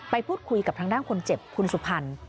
ไปพูดคุยกับทางด้านคนเจ็บคุณสุพรรณ